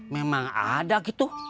memang ada gitu